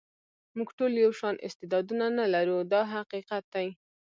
موږ ټول یو شان استعدادونه نه لرو دا حقیقت دی.